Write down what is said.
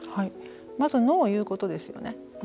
まずノーを言うことですよね。